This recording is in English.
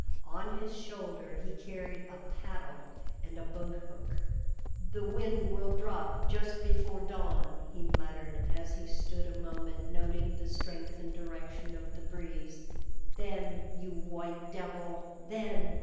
On his shoulder he carried a paddle and a boathook. "The wind will drop just before dawn," he muttered, as he stood a moment noting the strength and direction of the breeze. "Then, you white devil, then!"